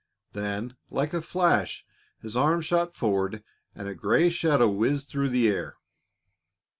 Then, like a flash, his arm shot forward and a gray shadow whizzed through the air.